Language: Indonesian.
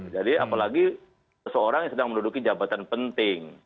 jadi apalagi seseorang yang sedang menduduki jabatan penting